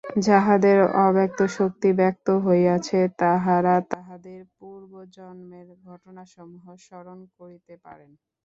যাঁহাদের অব্যক্ত শক্তি ব্যক্ত হইয়াছে, তাঁহারা তাঁহাদের পূর্বজন্মের ঘটনাসমূহ স্মরণ করিতে পারেন।